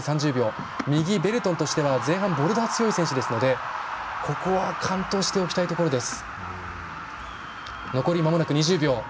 右のベルトンとしては前半、ボルダー強い選手ですのでここは完登しておきたいです。